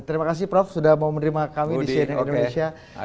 terima kasih prof sudah mau menerima kami di cnn indonesia